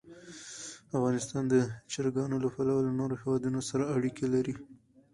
افغانستان د چرګان له پلوه له نورو هېوادونو سره اړیکې لري.